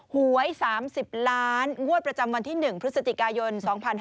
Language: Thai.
หวย๓๐ล้านงวดประจำวันที่๑พฤศจิกายน๒๕๕๙